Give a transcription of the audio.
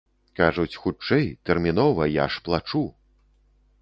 Кажуць, хутчэй, тэрмінова, я ж плачу.